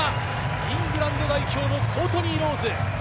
イングランド代表のコートニー・ロウズ。